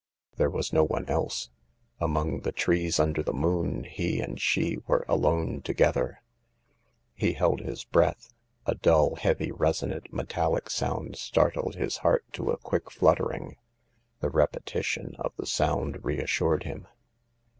There was no one else. Among the trees under the moon he and she were alone together. He held his breath. A dull, heavy, resonant, metallic sound startled his heart to a quick fluttering. The repeti tion of the sound reassured him.